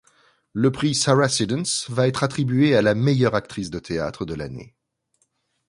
Le prix Sarah-Siddons va être attribué à la meilleure actrice de théâtre de l'année.